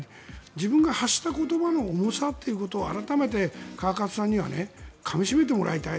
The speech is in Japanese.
自分が発した言葉の重さというのを改めて川勝さんにはかみ締めてもらいたい。